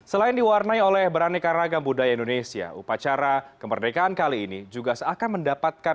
selain diwarnai oleh beraneka ragam budaya indonesia upacara kemerdekaan kali ini juga seakan mendapatkan